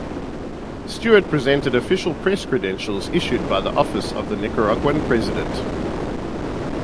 Stewart presented official press credentials issued by the office of the Nicaraguan president.